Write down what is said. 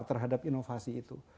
terhadap inovasi itu